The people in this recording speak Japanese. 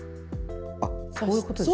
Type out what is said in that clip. あこういうことですか？